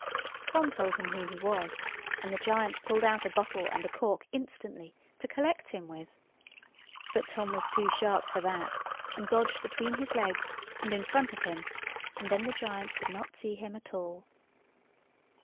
Tom told him who he was; and the giant pulled out a bottle and a cork instantly, to collect him with. But Tom was too sharp for that, and dodged between his legs and in front of him; and then the giant could not see him at all.